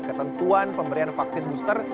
ketentuan pemberian vaksin booster